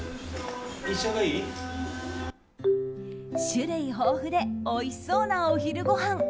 種類豊富でおいしそうなお昼ごはん。